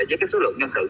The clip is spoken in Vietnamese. với số lượng nhân sự